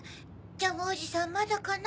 「ジャムおじさんまだかな？」